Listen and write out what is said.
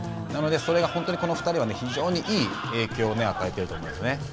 なのでそれが本当にこの２人は非常にいい影響を与えていると思います。